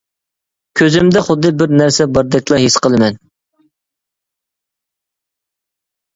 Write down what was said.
كۆزۈمدە خۇددى بىر نەرسە باردەكلا ھېس قىلىمەن.